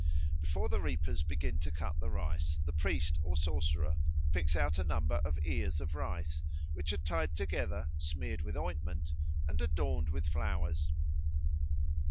Before the reapers begin to cut the rice, the priest or sorcerer picks out a number of ears of rice, which are tied together, smeared with ointment, and adorned with flowers.